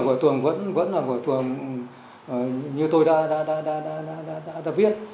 vở tuồng vẫn là vở tuồng như tôi đã viết